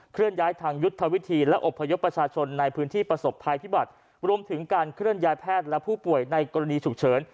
เลื่อนย้ายทางยุทธวิธีและอบพยพประชาชนในพื้นที่ประสบภัยพิบัติรวมถึงการเคลื่อนย้ายแพทย์และผู้ป่วยในกรณีฉุกเฉิน